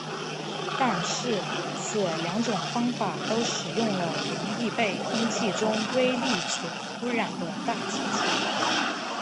但是此两种方法都使用了容易被空气中微粒子污染的大气气体。